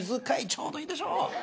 ちょうどいいでしょう。